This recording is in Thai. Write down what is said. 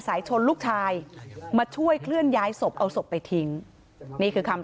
สายชนลูกชายมาช่วยเคลื่อนย้ายศพเอาศพไปทิ้งนี่คือคำ